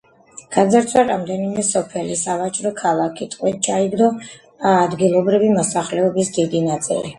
გაძარცვა რამდენიმე სოფელი და სავაჭრო ქალაქი, ტყვედ ჩაიგდო ადგილობრივი მოსახლეობის დიდი ნაწილი.